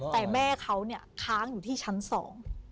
แต่แม่เขาเนี่ยค้างอยู่ที่ชั้นสอง